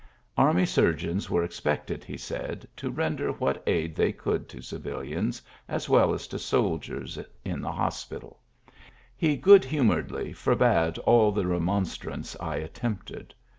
Army surgeons were expected, he said, to render what aid they could to civilians, as well as to soldiers, in the hospital; he good humoredly forbade all the re monstrance I attempted.